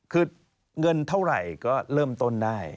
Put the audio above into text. คือเงินเท่าไหร่ก็เริ่มต้นได้